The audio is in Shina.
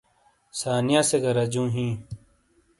ثانیہ سے گہ رجوں ہی۔